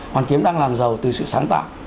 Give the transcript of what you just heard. hoàn kiếm đang làm giàu từ sự sáng tạo